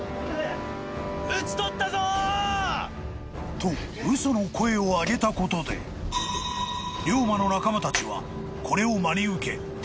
［と嘘の声を上げたことで龍馬の仲間たちはこれを真に受け天満屋から退却］